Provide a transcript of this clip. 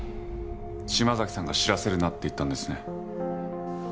島崎さんが知らせるなって言ったんですね。